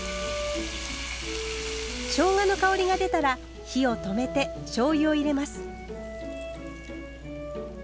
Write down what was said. しょうがの香りが出たら火を止めてしょうゆを入れます。